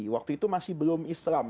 waktu itu masih belum islam